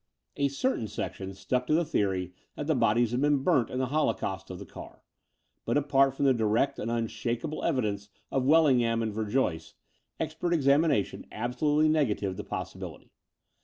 A certain section stuck to the theory that the bodies had been burnt in the holocaust of the car; but, apart from the direct and unshakable evidence of Wellingham and Verjoyce, expert examination absolutely negatived the possibility.